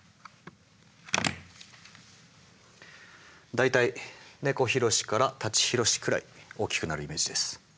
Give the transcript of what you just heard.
大体猫ひろしから舘ひろしくらい大きくなるイメージです。